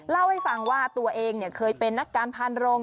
เล่าให้ฟังว่าตัวเองเคยเป็นนักการพานโรง